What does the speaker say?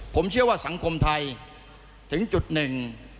ผมเชื่อว่าสังคมไทยถึงจุดหนึ่ง